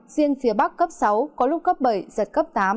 riêng phía bắc cấp sáu có lúc cấp bảy giật cấp tám